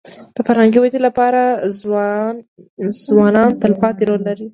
د فرهنګي ودې لپاره ځوانان تلپاتې رول لري.